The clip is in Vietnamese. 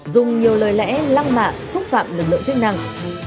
dùng nhiều lời lẽ lăng mạ xúc phạm lực lượng chức năng